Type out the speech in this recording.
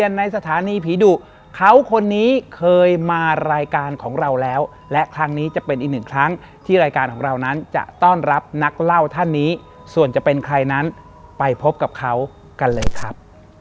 ในสถานีผีดุเขาคนนี้เคยมารายการของเราแล้วและครั้งนี้จะเป็นอีกหนึ่งครั้งที่รายการของเรานั้นจะต้อนรับนักเล่าท่านนี้ส่วนจะเป็นใครนั้นไปพบกับเขากันเลยครับ